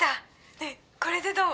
ねえこれでどう？」